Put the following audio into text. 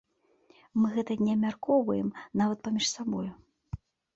Мы гэта не абмяркоўваем нават паміж сабою.